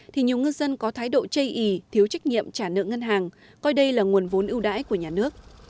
thì nhiều ngư dân có thái độ chây ý thiếu trách nhiệm trả nợ ngân hàng coi đây là nguồn vốn ưu đãi của nhà nước